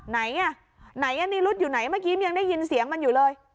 ไหนอ่ะไหนนิรุธอยู่ไหนเมื่อกี้ยังได้ยินเสียงมันอยู่เลย